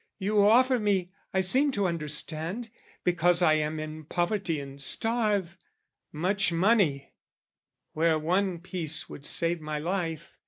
"You offer me, I seem to understand, "Because I am in poverty and starve, "Much money, where one piece would save my life.